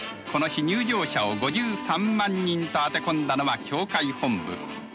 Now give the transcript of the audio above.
この日入場者を５３万人と当て込んだのは協会本部。